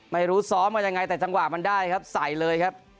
ไม่รู้ซ้อมกันยังไงแต่จังหวะมันได้ครับใส่เลยครับ